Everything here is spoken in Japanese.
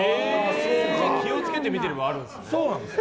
気を付けて見てればあるんですね。